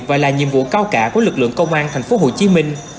và là nhiệm vụ cao cả của lực lượng công an thành phố hồ chí minh